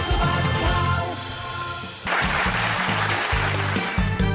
โอเค